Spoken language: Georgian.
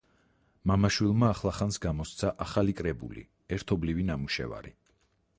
მამა-შვილიმა ახლახანს გამოსცა ახალი კრებული, ერთობლივი ნამუშევარი.